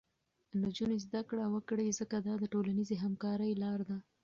نجونې زده کړه وکړي، ځکه دا د ټولنیزې همکارۍ لاره ده.